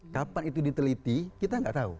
kapan itu diteliti kita nggak tahu